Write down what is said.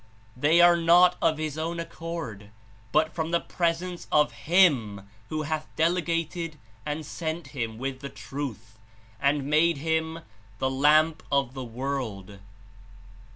They are not of his own accord, but from the Presence of Him who hath delegated and sent Him with the Truth, and made Him the Lamp of 88 the world."